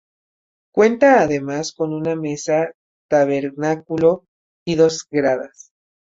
Cuenta además con una mesa tabernáculo y dos gradas.